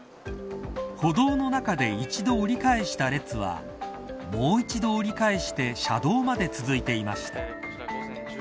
歩道の中で一度折り返した列はもう一度折り返して車道まで続いていました。